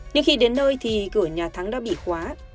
nhưng khi đến nơi thì cửa nhà thắng đã bị khóa